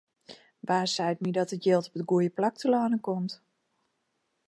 Wa seit my dat it jild op it goede plak telâne komt?